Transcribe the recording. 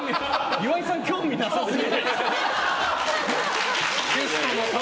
岩井さん、興味なさすぎ。